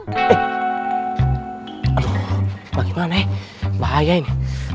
aduh bagaimana ya bahaya ini